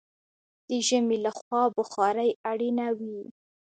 د ژمي له خوا بخارۍ اړینه وي.